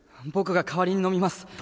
僕が代わりに飲みます